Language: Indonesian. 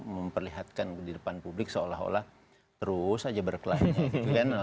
memperlihatkan di depan publik seolah olah terus saja berkelanjut